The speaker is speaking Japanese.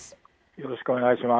よろしくお願いします。